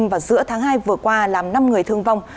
vào giữa tháng hai vừa qua làm năm người thương vong